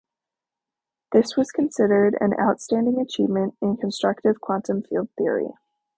This was considered an outstanding achievement in constructive quantum field theory.